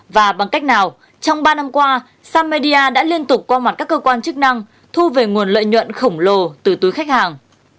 và bằng cách nào trong ba năm qua samedia đã liên tục qua mặt các cơ quan chức năng thu về nguồn lợi nhuận khổng lồ từ túi khách hàng